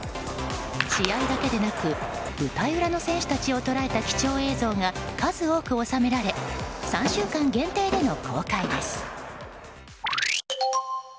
試合だけでなく舞台裏の選手たちを捉えた貴重映像が、数多く収められ３週間限定での公開です。